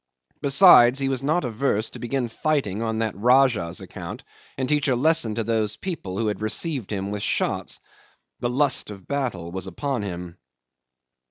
Besides, he was not averse to begin fighting on that Rajah's account, and teach a lesson to those people who had received him with shots. The lust of battle was upon him.